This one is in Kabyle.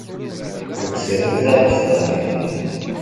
Ur d-terrim ara ɣef tebṛatin-nni.